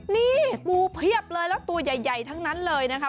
นี่ปูเพียบเลยแล้วตัวใหญ่ทั้งนั้นเลยนะคะ